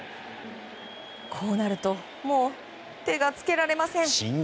こうなるともう手がつけられません。